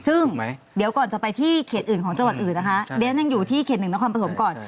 ซึ่งเดี๋ยวก่อนจะไปที่เขตอื่นของจังหวัฒนอื่นเดี๋ยวยังอยู่ที่เขตของผสมอาทริย์หนึ่งก่อน